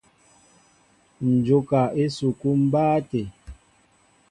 Ǹ jóka esukúlu mbáá tê.